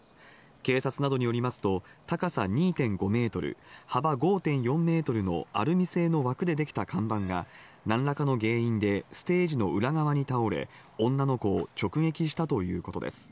警察などによりますと、高さ２．５ｍ、幅５．４ｍのアルミ製の枠でできた看板が何らかの原因でステージの裏側に倒れ、女の子を直撃したということです。